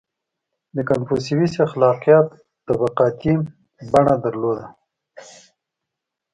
• د کنفوسیوس اخلاقیات طبقاتي بڼه درلوده.